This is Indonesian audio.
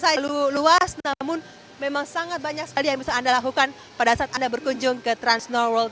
saya luas namun memang sangat banyak sekali yang bisa anda lakukan pada saat anda berkunjung ke transnoworld